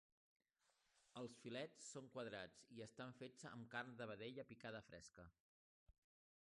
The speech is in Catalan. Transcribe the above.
Els filets són quadrats i estan fets amb carn de vedella picada fresca.